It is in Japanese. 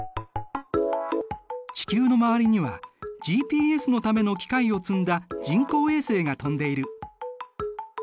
地球の周りにはＧＰＳのための機械を積んだ人工衛星が飛んでいる。